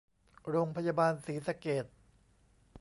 โรงพยาบาลศรีสะเกษ